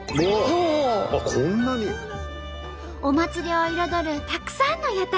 お祭りを彩るたくさんの屋台！